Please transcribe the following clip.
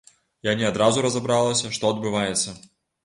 Я не адразу разабралася, што адбываецца.